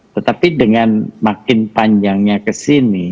tetapi dengan makin panjangnya ke sini